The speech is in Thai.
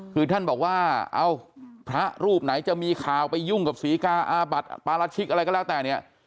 คือท่านบอกว่าเอ้าพระรูปไหนจะมีข่าวไปยุ่งกับศรีกาอาบัติปราชิกอะไรก็แล้วแต่เนี่ย